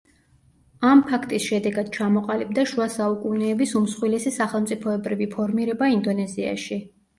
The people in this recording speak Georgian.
ამ ფაქტის შედეგად ჩამოყალიბდა შუა საუკუნეების უმსხვილესი სახელმწიფოებრივი ფორმირება ინდონეზიაში.